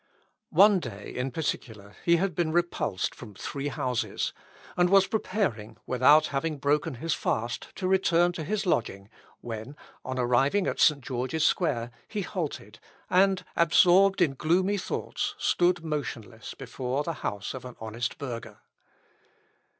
One day, in particular, he had been repulsed from three houses, and was preparing, without having broken his fast, to return to his lodging, when, on arriving at St. George's Square, he halted, and, absorbed in gloomy thoughts, stood motionless before the house of an honest burgher.